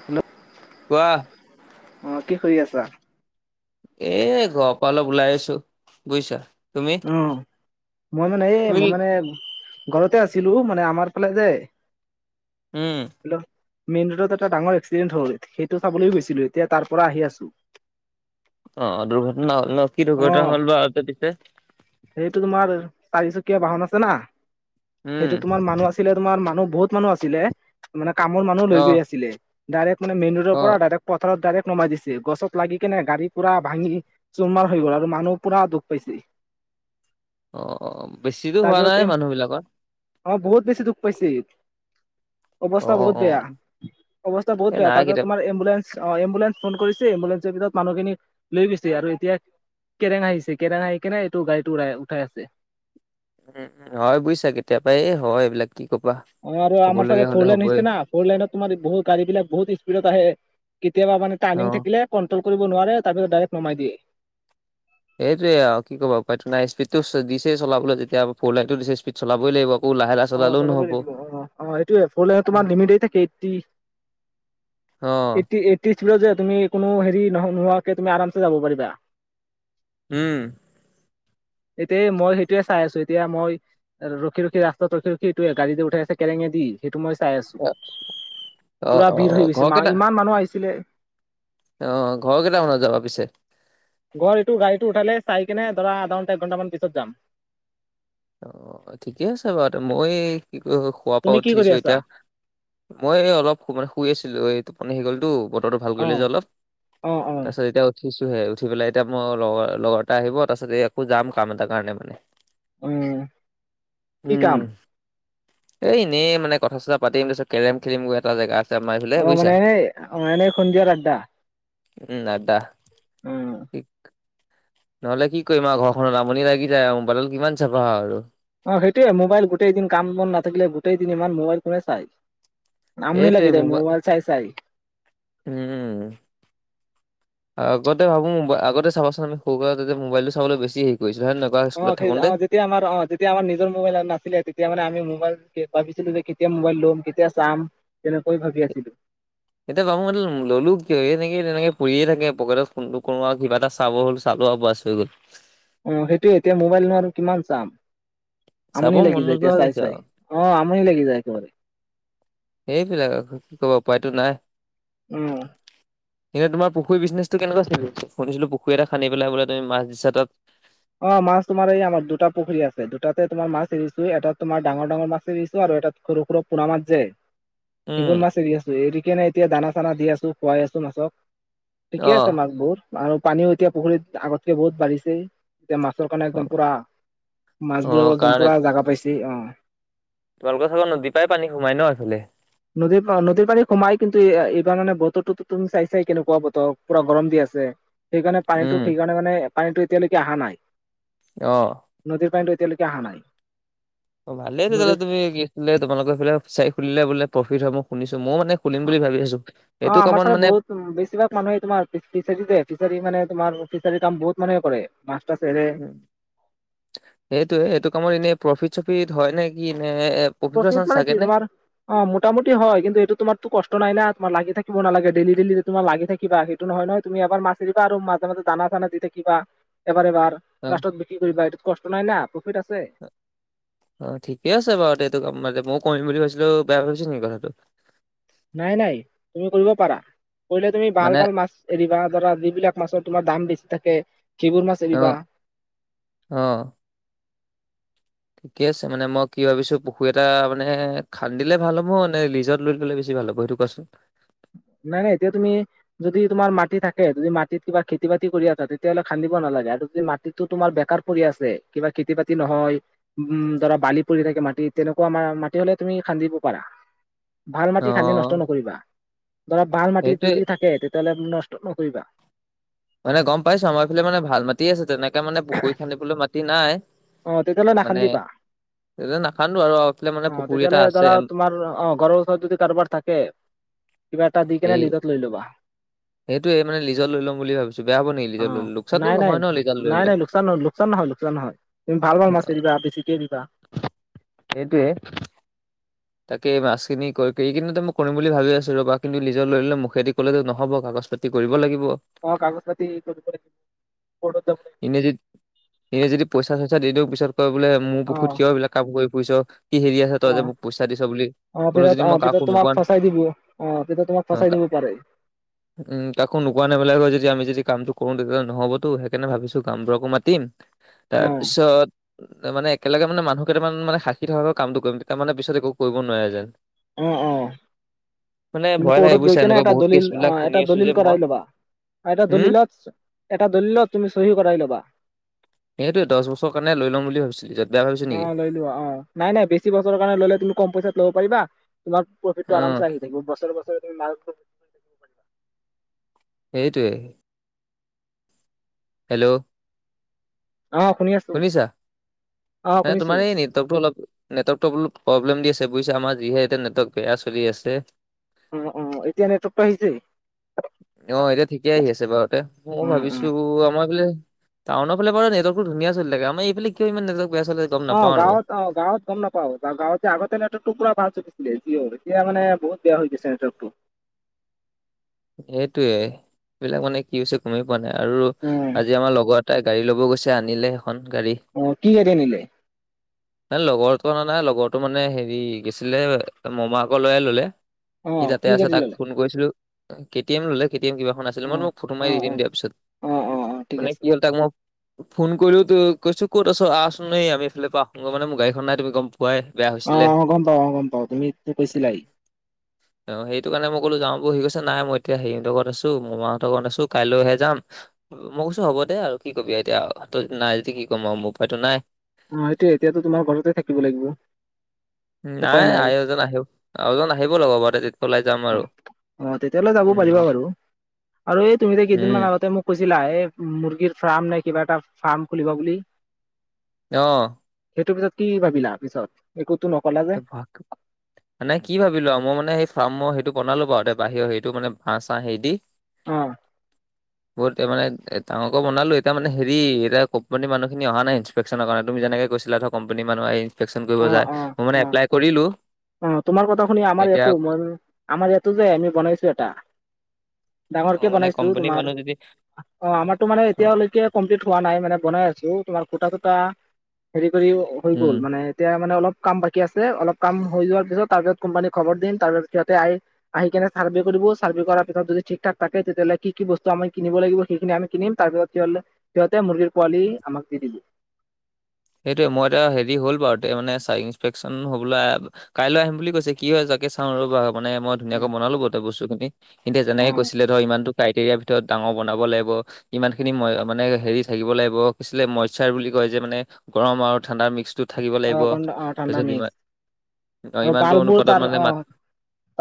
[unintelligible] কোৱা। অ' কি খই আছা? এ, ঘৰৰ পৰা অলপ ওলাই আহিছোঁ বুজিছা। তুমি অ', মই মানে এই তুমি মই মানে ঘৰতে আছিলোঁ। মানে আমাৰ ফালে যে উম। [unintelligible] মেইন ৰোডত এটা ডাঙৰ এক্সিডেণ্ট হ'ল, সেইটো চাবলৈ গৈছিলো। এতিয়া তাৰ পৰা আহি আছোঁ। [inaudible] অ', অ', দুৰ্ঘটনা হ'ল ন', কি দুৰ্ঘটনা হ'ল বা [unintelligible] [unintelligible] সেইটো তোমাৰ চাৰিচকীয়া বাহন আছে না, উম সেইটো তোমাৰ মানুহ আছে ছিলে তোমাৰ মানুহ বহুত মানুহ আছিলে, মানে কামৰ মানুহ লৈ অ গৈ আছিলে। ডাইৰেক্ট মানে মেইন ৰোডৰ অ পৰা দাদাক পথৰত ডাইৰেক্ট নমাই দিছে, গছত লাগি কিনে গাড়ী পুৰা ভাঙি চুৰমাৰ হৈ গ'ল আৰু মানুহ পুৰা দুখ পাইছি। অ', বেছিটো হোৱা তাৰপিছত নাই এ মানুহবিলাকৰ? অ', বহুত বেছি দুখ পাইছি। অ অৱস্থা অ বহুত অ বেয়া, অৱস্থা বহুত এই বেয়া নাই তাৰপিছত কেতিয়াবা তোমাৰ এম্বুলেন্স অ', এম্বুলেন্ঞ্চ ফোন কৰিছে, এম্বুলেন্ঞ্চৰ ভিতৰত মানুহখিনি লৈ গৈছে আৰু এতিয়া কেৰেঙা আহিছে কেৰাঙ আহি কেনে এইটো গাড়ীটো উৰাই উঠাই আছে। উম, হয় বুজিছ কেতিয়াবা। এই হয়, এইবিলাক কি কবা। অ', আৰু আমাৰ চাগে হ'বলগীয়া ফ'ৰ হলে লেইন হ'বই [unintelligible] না। ফ'ৰ লেইনত তোমাৰ বহুত গাড়ী বিলাক বহুত স্পিডত আহে, কেতিয়াবা মানে অ টাৰ্নিং থাকিলে কন্ট্ৰল কৰিব নোৱাৰে, তাৰপিছত ডাইৰেক্ট নমাই দিয়ে। সেইটোৱে আৰু কি ক'ব উপায়টো নাই, স্পীডটো দিছেই চলাবলৈ যেতিয়া ফ'ৰ লাইনতো দিছে স্পীড চলাবই লাগিব। আকৌ লাহে লাহে অ', চলালেও চলাবই নহ'ব লাগিব অ', অ', এইটোয়ে ফ'ৰ লাইনত তোমাৰ লিমিটেই থাকে এইটি অ'। [unintelligible] যে তুমি কোনো হেৰি ন-নোহোৱাকে তুমি আৰামছে যাব পাৰিবা। উম। এতিয়া মই সেইটোৱে চাই আছো, এতিয়া মই ৰখি ৰখি ৰাস [unintelligible] সেইটোৱে গাড়ী যি উঠাই আছে কেলেঙেদি সেইটো মই চাই আছো, অ অ পুৰা অ ভিৰ হৈ ঘৰ গৈছে ম কেইটা ইমান মানুহ আহিছিলে অ', ঘৰ কেইটামানত যাবা পিছে? ঘৰ এইটো গাড়ীটো উঠালে চাই কি কেনে ধৰা আধা ঘণ্টা, একঘণ্টামান পিছত যাম। অ', ঠিকে আছে বাৰু, মই খোৱাৰ পৰা তুমি কি কৰি উঠিছো আছা এতিয়া। মই অলপ মানে শুই আছিলো, [unintelligible] গ'লতো বতৰটো ভাল অ কৰিলে যে অলপ। অ', অ'। তাৰপিছত এতিয়া উঠিছোহে, উঠি পেলাই এতিয়া মোৰ লগৰ-লগৰ এটা আহিব। তাৰপাছত আকো যাম, কাম এটা কাৰণে মানে। উম, কি উম কাম? এনেই মানে কথা চথা পাতিম, [unintelligible] কেৰেম খেলিম গৈ এটা জেগাত। অ', মানে এ এনেই সন্ধিয়াৰ আদ্দা। উম, আড্ডা। উম। নহ'লে কি কৰিম আৰু ঘৰখনত আমনি লাগি যায়, আৰু মোবাইলত কিমান চাবা আৰু। অ', সেইটোয়ে মোবাইল গোটেই দিন কাম বন নাথাকিলে, গোতেইদিন ইমান মোবাইল কোনে চাই। আামনি এইটোৱে লাগি যায়, মোবাই মবাইল চাই চাই। উম। আগতে ভাবো, মোব আগতে চাবাচোন আমি [unintelligible] মোবাইলটো চাবলৈ বেছি হৰি কৰিছিলো হয় নহয়। কোৱা, অ', স্কুলত থাকোতে [unintelligible] তেতিয়া আমাৰ অ', তেতিয়া আমাৰ নিজৰ মোবাইল নাছিলে, তেতিয়া মানে আমি মোবাইল ভাবিছিলো যে কেতিয়া মোবাইল ল'ম কেতিয়া চাম। তেনেকৈ ভাবি আছিলো। [unintelligible] চালো [unintelligible] অ', সেইটোয়ে, এতিয়া মোবাইলনো আৰু কিমান চাম। চাব আমনি লাগি মন যায় নোযোৱা এতিয়া হৈ চাই গৈছে চাই, আৰু অ' আমনি লাগি যায় একবাৰে। [unintelligible] কি ক'ব উপায়তো নাই। উম। এতিয়া তুমাৰ পুখুৰিটো বিজনেছতো কেনেকুৱা চলি আছে, শুনিছিলো পুখুৰী এটা খান্দি পেলাই বোলে তুমি মাছ দিছা তাত। অ', মাছ তোমাৰ এই আমাৰ দুটা পুখুৰী আছে, দুটাতে তোমাৰ মাছ এৰিছো এটাত তোমাৰ ডাঙৰ ডাঙৰ মাছ এৰিছো, আৰু এটাত সৰু সৰু পুনা মাছ যে উম, সেইবোৰ মাছ এৰি আছো, এৰি কিনাই এতিয়া দানা চানা দি আছো, খুৱাই আছো মাছক। ঠিকে আছে অহ। মাছবোৰ, আৰু পানীও এতিয়া পুখুৰীত আগতকে বহুত বাঢ়িছে। এতিয়া মাছৰ কাৰণে, একদম অ', পুৰা মাছ অ বোৰে একদম কাৰণ পুৰা জাগা পাইছে অ'। তোমালোকৰ ফালৰ নদীৰ পাই পানী সোমাই ন' সেইফালে? নদীৰপা, নদীৰ পানী সোমাই কিন্তু এইবাৰ মানে বতৰটোতো তুমি চাইচাই কেনেকুৱা বতৰ, পুৰা গৰম দি আছে। সেইকাৰণে উম, পানীটো, সেইকাৰণে মানে পানীটো এতিয়ালৈকে আহা নাই। অ'। নদীৰ পানীটো এতিয়ালৈকে আহা নাই। অ' ভালেই হৈছে তেতিয়'লে নদীৰ তুমি, কি আছিলে তোমালোকৰ সেইফালে ফিচাৰী খুলিলে বোলে প্ৰফিট হয় মই শুনিছোঁ। মই মানে খুলিম বুলি ভাবি আছোঁ। এইটো কামত মানে উম, বেছিভাগ মানুহে তোমাৰ ফিচাৰী ফিচাৰী মানে তোমাৰ ফিচাৰী কাম বহুত মানুহে কৰে। মাছ টাছ এৰে। উম সেইটোয়ে, এইটো কামত এনে প্ৰফিট চফিট হয় নে কি এনে প্ৰফিট মানে কি তোমাৰ অ' মোটামুটি হয় কিন্তু এইটো তোমাৰতো কষ্ট নাই না, তোমাৰ লাগি থাকিব নালাগে, ডেইলি ডেইলি যে তোমাৰ লাগি থাকিবা সেই নহয় নহয়, তুমি এবাৰ মাছ এৰিবা আৰু মাজে মাজে দানা চানা দি থাকিবা, এবাৰ এবাৰ। অ লাষ্টত বিক্ৰী কৰিবা, এইটোত কষ্ট নাই না, প্ৰফিট আছে। অ' ঠিকে আছে বাৰু দে এইটো কাম, মানে মই কৰিম বুলি ভাবছিলো, বেয়া ভাবিছে নেকি কথাটো? নাই নাই তুমি কৰিব পাৰা, কৰিলে তুমি মানে ভাল ভাল মাছ এৰিবা ধৰা যিবিলাক মাছৰ তোমাৰ দাম বেছি থাকে সেইবোৰ মাছ অ এৰিবা। অ'। ঠিকে আছে মানে মই কি ভাবিছোঁ পুখুৰী এটা মানে খান্দিলে ভাল হ'ব নে লিজত লৈ ল'লে বেছি ভাল হ'ব? বৈটো কোৱাচোন। নাই নাই, এতিয়া তুমি যদি তোমাৰ মাটি থাকে, যদি মাটিত কিবা খেতি বাতি কৰি আছা তেতিয়াহ'লে খান্দিব নালাগে আৰু যদি মাটি টিতো তোমাৰ বেকাৰ পৰি আছে, কিবা খেতি বাতি নহয় উম, ধৰা বালি পৰি থাকে মাটিত তেনেকুৱা মাটি হ'লে তুমি খান্দিব পাৰা। ভাল অ মাটি খান্দি নষ্ট নকৰিবা, ধৰা ভাল মাটি যদি সেইটোৱে থাকে তেতিয়াহ'লে নষ্ট নকৰিবা। মানে গম পাইছোঁ, আমাৰ এইফাল মানেভাল মাটি মাটি আছে তেনেকে মানে পুকুৰী খান্দিবলৈ মাটি নাই অ তেতিয়াহ'লে মানে নাখান্দিবা তেতিয়া নাখান্দো আৰু এইফালে মানে অ' পুখুৰী এটা তেতিয়াহ'লে আছে ধৰা তোমাৰ, অ' ঘৰৰ ওচৰত যদি কাৰোবাৰ থাকে কিবা এটা দি কেনে লিজত লৈ ল'বা। সেইটোৱেই মানে লীজত ল'ম বুলি ভাবিছোঁ, বেয়া হ'ব নেকি অ লীজত লৈ ল'লে? লোকচানতো নাই নাই নহয় ন'। লিজত লৈ নাই ল'লে নাই লোকচান নহয়, লোকচান নহয় লোকচান নহয়। তুমি ভাল ভাল মাছ এৰিবা, বেছিকে দিবা। সেইটোৱে। তাকে মাছখিনি কৰি কিনো, মই কৰিম বুলি ভাবি আছোঁ ৰ'বা কিন্তু লীজত লৈ ল'লে মুখেদি ক'লেতো নহ'ব কাগজ পাতি কৰিব লাগিব। অ' কাগজ পাতি কৰিব, ক'ৰ্ডত যাব লাগিব। এনে য এনে যদি পইচা চইচা দি দিওঁ পিছত কয় বোলে মোৰ অ পুখুত কিয় এইবিলাক কাম কৰি ফুৰিছ? কি হেৰি আছে অ তই যে মোক পইচা দিছ বুলি। অ' কোনো পিছত যদি মই অ' পিছত কাকো তোমাক নোকোৱা ফচাই দিব, অ' পিছত তোমাক ফচাই দিব পাৰে। উম, কাকো নোকোৱা নেবেলাক যদি আমি যদি কামটো কৰো তেতিাহলে নহ'বতো সেই সেইকাৰণনে ভাবিছোঁ গামবোৰাকো মাতিম অ তাৰপিছত মানে একেলগে মানে মানুহ কেইটামান মানে সাক্ষী থকাকৈ কামটো কৰিম তেতিয়া মানে পিছত একো কৰিব নোৱাৰে যেন। অ', অ'। মানে ভয় লাগে ক'ৰ্ডত গৈ বুজিছা কিনে এনেকুৱা এটা বহুত কেছ দলিল, বিলাক অ' শুনি এটা আছো যে দলিল মই কৰাই ল'বা, এটা হম দলিলত এটা দলিলত তুমি চহী কৰাই ল'বা। সেইটোৱে দহবছৰৰ কাৰণে লৈ ল'ম বুলি ভাবছিলো যে অ' লৈ লোৱা, অ' নাই নাই বেছি বছৰৰ কাৰণে লৈ ললে তুমি কম পইচাত ল'ব পাৰিবা, তোমাক প্ৰফিটটো অ' আৰামচে আহি থাকিব, বছৰে বছৰে তুমি মাছ সেইটোৱেই। হেল্ল'। অ' শুনি আছোঁ। শুনিছা? নে তোমাৰ এই নে ৱৰ্কটো অলপ, নেটৱৰ্কটো অলপ প্ৰব্লেম দি আছে, বুজিছা? আমাৰ যিহে এতিয়া নেটৱৰ্ক বেয়া চলি আছে। অ', অ', এতিয়া নেটৱৰ্কটো আহিছে। অ', এতিয়া ঠিকেই আহি আছে বাৰুতে, ময়ো উম উম ভাবিছোঁ আমাৰ সেইফালে টাউনৰ ফালে বাৰু নেটৰ্কটো ধুনীয়া চলি থাকে, আমাৰ এইফালে কিয় ইমান নেটৱৰ্ক বেয়া চলে গম অ', নাপাওঁ আৰু গাঁৱত অ', গাঁৱত গম নাপ পাওঁ, আগতে নেটৱৰ্কটো পুৰা ভাল চলিছিলে, এতিয়া মানে বহুত বেয়া হৈ গৈছে নেটৰ্কটো। সেইটোয়েই, এইবিলাক মানে কি হৈছে গমেই পোৱা নাই আৰু উম, আজি আমাৰ লগত তাই গাড়ী ল'ব গৈছে, আনিলে সেইখন গাড়ী। অ', কি গাড়ী আনিলে? নাই লগৰটোৱে অনা নাই, লগৰটো মানে হেৰি গৈছিলে, মমাকৰ ল'ৰাই ল'লে। সি অ', কি তাতেই আছে, গাড়ী তাক ল'লে? ফোন কৰিছিলোঁ। কে টি এম ল'লে, কে টি এম কিবা এখন আছিলে, মই অ', তোমাক ফটো মাৰি দি অ', দিম অ', দিয়া পিছত, অ', অ', অ', ঠিক মানে আছে। কি হ'ল তাক মই ফোন কৰিলো, তো কৈছো ক'ত আছ? আহচোন এই আমি এইফালৰ পৰা আহোঁগৈ মানে, মোৰ গাড়ীখন নাই তুমি গম পোৱাই বেয়া অ', হৈছিলে। অ', গম পাওঁ, অ', গম পাওঁ, তুমি কৈছিলাই। অ', সেইটো কাৰণে মই ক'লো, যাওঁ বৈ, সি কৈছে, নাই মই এতিয়া হেৰিহতৰ ঘৰত আছোঁ, মই মামাহঁতৰ লগত আছোঁ, কাইলৈহে যাম। মই কৈছোঁ, হ'ব দে আৰু, কি কবি এতিয়া? নাই যদি কি ক'ম আৰু, মোৰ উপায়তো নাই। অ', সেইটোৱেই, এতিয়াতো তোমাৰ ঘৰতেই থাকিব লাগিব। নাই আই এজন আহি, আৰু এজন আহিব বাৰু লগৰ, তেতিয়া উলাই যাম অ', আৰু। অ', তেতিয়াহলে যাব পাৰিবা উম, বাৰু আৰু এই তুমিযে উম, কেইদিনমান আগতে মোক কৈছিলা, এ মুৰ্গীৰ ফাৰ্ম নে কিবা এটা ফাৰ্ম খুলিব বুলি। অ'। সেইটো পিছত কি ভাবিলা পিছত? একোতো নক'লা যে। পাক। নে কি ভাবিলো আৰু? মই মানে ফাৰ্মৰ হেৰিতো বনালো বাৰু তে বাহিৰৰ হেৰীতো মানে বাঁহ চাঁহ হেৰি দি। অহ। বহুত মানে ডাঙৰকৈ বনালো, এতিয়া মানে হেৰি, এতিয়া কোম্পানীৰ মানুহখিনি অহা নাই। পেক্টচনৰ কাৰনে, তুমি যেনেকে কৈছিলা ধৰ, কোম্পানী মানুহ আহি ইন্সপেক্টচন কৰিব অ', যায়, অ', মোৰ মানে অ', এপ্লাই কৰিলো অ', তোমাৰ কথা শুনি আমাৰ এতিয়া ইয়াতো, মই, আমাৰ ইয়াতো যে আমি বনাইছোঁ এটা। ডাঙৰকে অ' মানে বনাইছোঁ কোম্পানীৰ তোমাৰ, মানুহ যদি অ', আমাৰোটো মানে অ' এতিয়ালৈকে কমপ্লিট হোৱা নাই, মানে বনাই আছোঁ, তোমাৰ খুটা কেইটা হেৰি কৰি হৈ উম গ'ল, মানে এতিয়া মানে অলপ কাম বাকী আছে, অলপ কাম হৈ যোৱাৰ পিছত তাৰপিছত কোম্পানীক খবৰ দিম, তাৰ পিছত সিহঁতে আহি আহি কিনে চাৰ্ভে কৰিব, চাৰ্ভে কৰাৰ পিছত যদি ঠিক ঠাক থাকে, তেতিয়াহ'লে কি কি বস্তু আমি কিনব লাগিব, সেইখিনি আমি কিনিম তাৰ পিছত, সিহঁতে মুৰ্গীৰ পোৱালি আমাক দি দিব। সেইটোৱে মই এতিয়া হেৰি হ'ল বাৰু, তে মানে চাই ইনসপেকশচন হবলৈ কাইলৈ আহিম বুলি কৈছে, কি হয় তাকে চাওঁ ৰ'বা মানে মই ধুনীয়াকৈ বনালোঁ গোটেই বস্তুখিনি এতিয়া অ যেনেকে কৈছিলে ধৰক, ইমানটো ক্ৰাইটেৰিয়াৰ ভিতৰত ডাঙৰ বনাব লাগিব ইমান খিনি মই মানে হেৰি থাকিব লাগিব, কৈছিলে মইচাৰ বুলি কয় যে মানে গৰম আৰু ঠাণ্ডা মিক্সটোত অ', গৰম, অ', ঠাণ্ডা অ আৰু ইমানটো বাল বোৰ অনুপাতত তাৰ মানে অ', মাত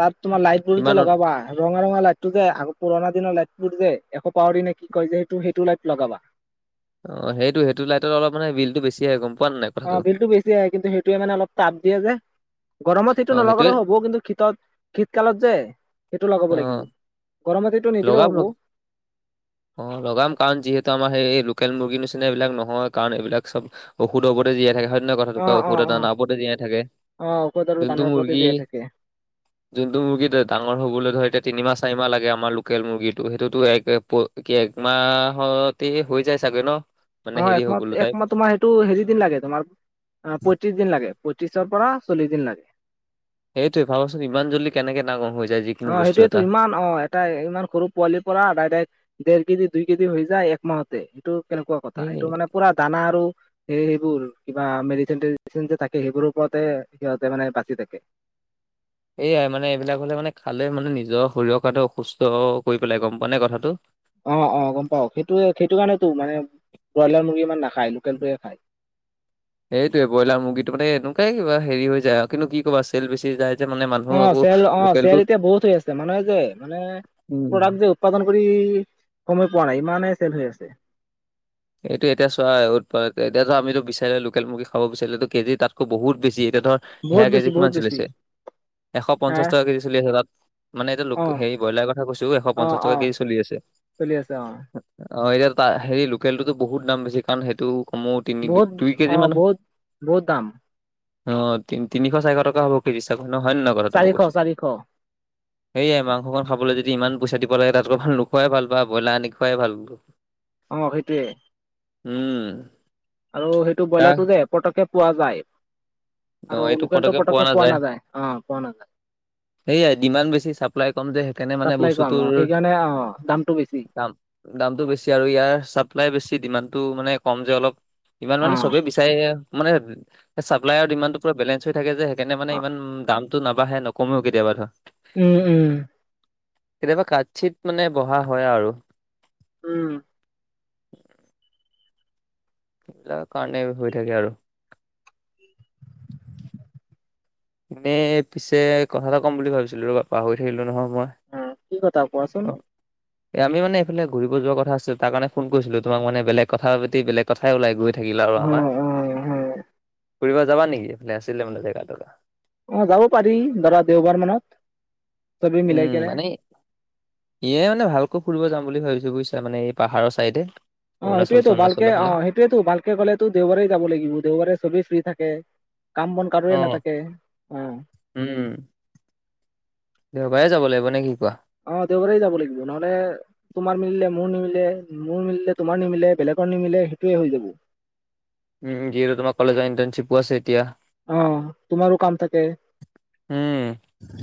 তাৰ তোমাৰ লাইট বোৰ যে ইমান লগাবা। ৰঙা ৰঙা লাইট টো যে, আগৰ পুৰণা দিনৰ লাইট বোৰ যে, এশ পাৰৰ দিনা কি কয় যে সেইটো সেইটো লাইট লগাবা। অ', সেইটো, সেইটো লাইটত অলপ মানে বিলটো বেছিে গম পোৱা নাই। কথাটো অ', বিলটো বেছি আহে কিন্তু সেইটোোৱে মানে অলপ টাপ দিয়ে যে। গৰমত সেইটো অ সেইটোৱে ন'লগলেও হ'ব কিন্তু, শীতত শীতকালত যে সেইটো লগাব অ লাগিব। গৰমত সেইটো নিদিলেও হ'ব। অঁ, লগাম কাৰণ যিহেতু আমাৰ সেই লোকেল মুৰ্গীৰ নিচিনা এইবিলাক নহয়, কাৰণ এইবিলাক চব ঔষধৰ ওপৰতে জীয়াই থাকে হয় অন অ কথাটো, অ ঔষধ এটা অ ন উপৰতে জীয়াই থাকে, অ ঔষধ আৰু যোনটো দানৰ ওপৰতে মুৰ্গী দিয়া [inaudible] যোনটো মুৰ্গী ডাঙৰ হ'বলৈ ধৰ এতিয়া তিনিমাহ চাৰিমাহ লাগে আমাৰ লোকেল মুৰ্গীটো সেইটোতো এক কি একমাহতে হৈ যায় চাগৈ ন? মানে অ হেৰি হৈ একমাহ গ'লো তাই একমাহ তোমাৰ এটো হেৰিদিন লাগে তোমাৰ পঁত্ৰিশ দিন লাগে পঁত্ৰিচৰ পৰা চল্লিশ দিন লাগে। সেইটোৱে ভাবাচোন ইমান জল্দি কেনেকে ডাঙৰ হৈ যায় যি অ সেইটোয়েতো ইমান অ এট ইমান সৰু পোৱালিৰ পৰা ডাইৰেক্ট দেৰ কেজি দুই কেজি হৈ যায় একমাহতে। এইটো কেনেকুৱা কথা এই এইটো মানে পুৰা দানা আৰু সেই সেইবোৰ কিবা মেডিচিন চেডিচিন যে থাকে সেইবোৰ ওপৰতে সিহঁতে মানে বাচি থাকে। এইয়াই মানে এইবিলাক হ'লে মানে খালে মানে নিজৰ শৰীৰৰ কাৰণে অসুস্থ কৰি পেলাই গম পোৱা নে কথাটো? অ, অ, গম পাওঁ, কিন্তু সেইটোৱে- সেইটো কাৰণেতো মানে ব্ৰইলাৰ মুৰ্গী ইমান নাখায়, লোকেলটোয়ে খায়। এইটোয়ে ব্ৰইলাৰ মুৰ্গীটো মানে এনেকুৱাই কিব হেৰি হৈ যায়। আৰু কিন্তু কি কবা চেল বেছি হৈ যায়। যে মানে মানুহ অ, আকৌ চেল, অ, চেল লোকেলটো এতিয়া বহুত হৈ আছে। মানুহে যে মানে উম প্ৰডাক্ট যে উৎপাদন কৰি সময় পোৱা নাই ইমানে চেল হৈ আছে। এইটো এতিয়া চোৱা এতিয়া ধৰা, আমিতো বিচাৰে লোকেল মুৰ্গী খাব বিচাৰিলে কেজি তাতকৈ বহুত বেছি। এয়া ধৰ, বহুত সেইয়া বেছি কেজি বহুত কিমান বেছি চলিছে? এশ হা পঞ্চাশ টকা কেজি চলি আছে তাত। মানে এতিয়া লোক অ হে ব্ৰইলাৰ কথা কৈছো এশ অ পঞ্চাশ টকা অ কেজি চলি আছে চলি আছে অ। অ, এতিয়া তা হেৰি লোকেলটোতো বহুত দাম বেছি। কাৰণ সেইটো ময়ো তিনি দু বহুত দুই কেজি অ মান। বহুত বহুত দাম অ, তিন- তিনিশ চাৰিশ টকা হ'ব। কি বিশ্বাস কৰিম ন হয়নে নহয় কথাটো মই চাৰিশ কৈছোঁ? [inaudible] সেয়াই মাংসখন খাবলৈ যদি ইমান পইচা দিব লাগে। তাতকৈ ভাল নোখোৱাই ভাল। বা ব্ৰইলাৰ আনি খোৱাই ভাল। অ সেইটোয়ে। উম। আৰু সেইটো তাক ব্ৰইলাৰটো যে পটককে পোৱা যায়। অ আৰু এইটো লোকেলটো পতককে পটককে পোৱা নাযায়, অ' পোৱা নাযায়। সেয়াই ডিমাণ্ড বেছি চাপ্লাই কম যে সেইকাৰণে মানে চাপ্লাই কম অ বস্তুটোৰ সেইকাৰণে অ দামটো বেছি দাম দামতটো বেছি, আৰু ইয়াৰ চাপ্লাই বেছি ডিমাণ্ডটো মানে কম যে অলপ। ডিমাণ্ড অ মানে চবে বেছি সেয়ে মানে চাপ্লাই আৰু ডিমাণ্ডটো পুৰা বেলেঞ্চ হৈ থাকে যে। সেইকাৰণে মানে ইমান দাম ত নাবাঢ়ে নকমেও কেতিয়াবা ধৰা। উম উম। কেতিয়াবা কাঠ চিত মানে বহা হয় আৰু। উম। তাৰ কাৰণেই হৈ থাকে আৰু এনেই পিছে কথা এটা ক'ম বুলি ভাবিছিলোঁ ৰ'বা পাহৰি থাকিলো নহয় মই অ কি কথা কোৱাছোঁন? অ' এ আমি মানে এফালে ঘুৰিব যোৱা কথা আমি আমি মানে এইফালে ঘূৰিব যোৱা কথা আছিল। তাৰ কাৰণে ফোন কৰিছিলোঁ তোমাক বেলেগ কথা পাতি, বেলেগ কথাই ওলাই গৈ থাক থাকিলে আৰু অ আমাৰ, অ অ ফুৰিব যাবা নেকি? এ' আছিলে মানে জেগা টোকা অ' যাব পাৰি ধৰা দেওবাৰ মানত। চবে মিলাই উম কেনে মানে, ইয়ে মানে ভালকৈ ফুৰিব যাম বুলি ভাবিছোঁ বুজিছা মানে এই পাহাৰৰ চাইডে। অ, অৰুণাচল এইটোয়েটো ভালকে চৰুণাচলৰ অ, ফালে এইটোয়েটো ভালকে গ'লেটো দেওবাৰে যাব লাগিব। দেওবাৰে চবেই ফ্ৰী থাকে। কাম বন কাৰোৰে অ' নাথাকে। অ। উম, দেওবাৰে যাব লাগিব নে কি কোৱা? অ দেওবাৰে যাব লাগিব নহ'লে, তোমাৰ মিলিলে মোৰ নিমিলে মোৰ মিলিলে তোমাৰ নিমিলে বেলেগৰ নিমিলে সেইটোৱে হৈ যাব। উম যিহেতু তোমাৰ কলেজৰ ইণ্টেঞ্চিপো আছে এতিয়া। অ তোমাৰো কাম থাকে। উম,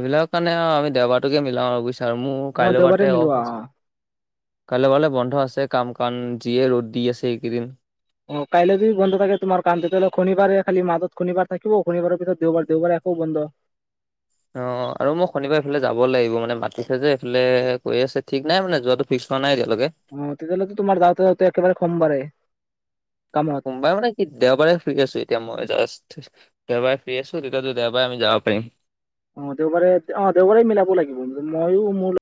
এইবিলাকৰ কাৰণে আৰু আমি দেওবাৰটোকে মিলাও আৰু বুজিছা। মোৰ অ কাইলৈ দেওবাৰে বাৰুতে মিলোৱা অ'ফ আছে। অ কাইলৈ বাৰলে বন্ধ আছে কাম, কাৰণ যি, হে ৰ'দ দি আছে এইকেইদিন। অ', কাইলৈ যদি বন্ধ থাকে তোমাৰ কাম তেতিয়াহ'লে শনিবাৰে খালি মাজত শনিবাৰ থাকিব, শনিবাৰৰ পিছত দেওবাৰ দেওবাৰে আকৌ বন্ধ। অ', আৰু মোক শনিবাৰে এইফালে যাব লাগিব মানে, মাতিছে যে এইফালে কৈ আছে ঠিক নাই মানে যোৱাতো ফিক্স হোৱা নাই এতিয়ালৈকে। অ', তেতিয়াহ'লেটো তোমাৰ যাওঁতে যাওঁতে একেবাৰে সোমবাৰে কামত সোমবাৰে মানে দেওবাৰে ফ্ৰী আছো এতিয়া মই জাষ্ট, দেওবাৰে ফ্ৰী আছো, তেতিয়াটো দেওবাৰে আমি যাব পাৰিম। অ', দেওবাৰে অ', দেওবাৰে মিলাব লাগিব মইও মোৰ